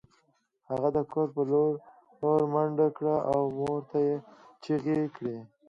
هغه د کور په لور منډه کړه او مور ته یې چیغې کړې